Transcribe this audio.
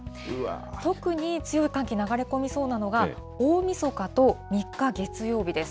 特に強い寒気、流れ込みそうなのが、大みそかと３日月曜日です。